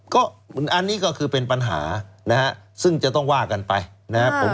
ก็อันนี้ก็คือเป็นปัญหานะฮะซึ่งจะต้องว่ากันไปนะครับ